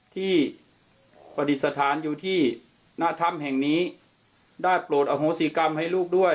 ที่ประดิษฐานอยู่ที่หน้าถ้ำแห่งนี้ได้โปรดอโหสิกรรมให้ลูกด้วย